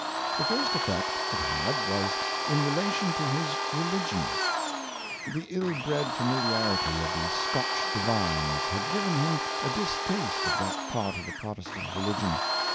The first Effect it had was in relation to his Religion. The ill bred familiarity of the Scotch Divines had given him a distaste of that part of the Pi otestant Religion.